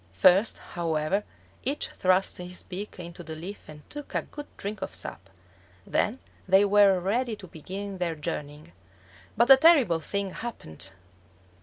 First, however, each thrust his beak into the leaf and took a good drink of sap. Then they were ready to begin their journeying. But a terrible thing happened!